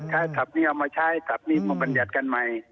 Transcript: ถ้าขับนี้เอามาใช้กลับมีบทบรรยัติกันใหม่